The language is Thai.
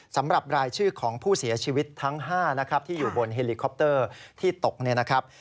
สำหรับรายชื่อของผู้เสียชีวิตทั้ง๕นะครับที่อยู่บนเฮลิคอปเตอร์ที่ตกเนี่ยนะครับ